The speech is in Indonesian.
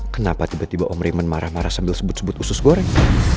kenapa tiba tiba om reman marah marah sambil sebut sebut usus goreng